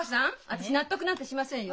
私納得なんてしませんよ。